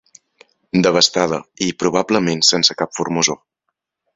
Devastada i, probablement, sense cap formosor.